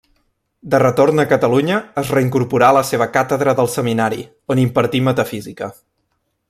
De retorn a Catalunya es reincorporà a la seva càtedra del Seminari, on impartí Metafísica.